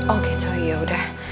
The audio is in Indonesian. oh gitu yaudah